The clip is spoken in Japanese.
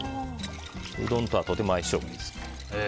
うどんとはとても相性がいいです。